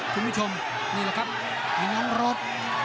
คุณผู้ชมนี่แหละครับมีน้องรถ